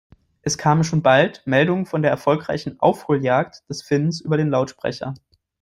Es kamen schon bald Meldungen von der erfolgreichen Aufholjagd des Finnen über den Lautsprecher.